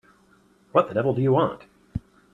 What the devil do you want?